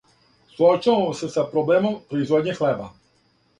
Суочавамо се са проблемом производње хлеба.